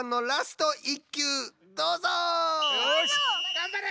がんばれ！